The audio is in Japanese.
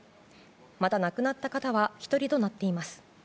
また、亡くなった方は１人となっています。